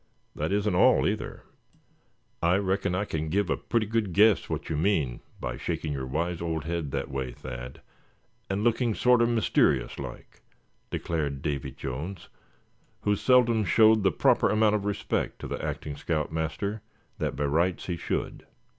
That isn't all, either." "I reckon I can give a pretty good guess what you mean by shaking your wise old head that way, Thad, and looking sorter mysterious like," declared Davy Jones; who seldom showed the proper amount of respect to the acting scout master, that by rights he should.